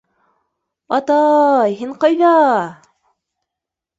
— Ата-ай, һин ҡайҙа.